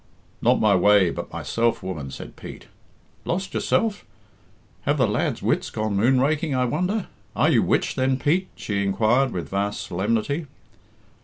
"Not my way, but myself, woman," said Pete. "Lost yourself! Have the lad's wits gone moon raking, I wonder? Are you witched then, Pete?" she inquired, with vast solemnity.